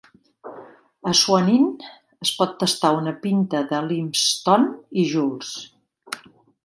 A Swan Inn es pot tastar una pinta de Lymestone i Joules.